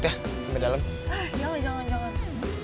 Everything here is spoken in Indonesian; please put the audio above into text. aku kalau ini segala gitu